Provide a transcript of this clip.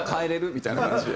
みたいな感じで。